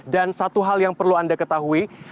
dan satu hal yang perlu anda ketahui